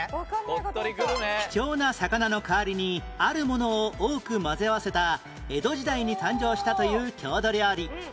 貴重な魚の代わりにあるものを多く混ぜ合わせた江戸時代に誕生したという郷土料理